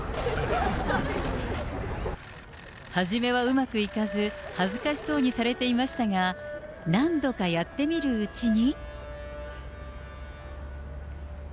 初めはうまくいかず、恥ずかしそうにされていましたが、何度かやってみるうちに。